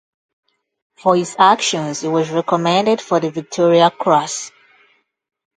For his actions he was recommended for the Victoria Cross.